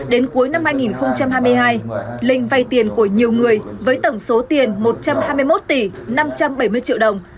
đến cuối năm hai nghìn hai mươi hai linh vay tiền của nhiều người với tổng số tiền một trăm hai mươi một tỷ năm trăm bảy mươi triệu đồng